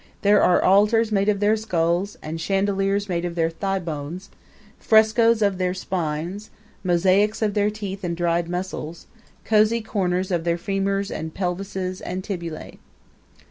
There are altars made of their skulls, and chandeliers made of their thigh bones; frescoes of their spines; mosaics of their teeth and dried muscles; cozy corners of their femurs and pelves and tibiae.